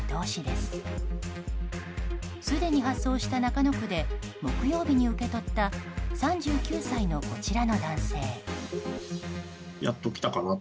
すでに発送した中野区で木曜日に受け取った３９歳のこちらの男性。